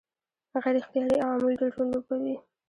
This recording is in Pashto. غیر اختیاري عوامل ډېر رول لوبوي.